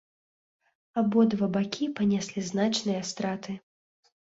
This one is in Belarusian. Абодва бакі панеслі значныя страты.